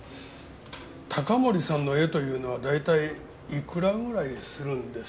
高森さんの絵というのは大体いくらぐらいするんですかね？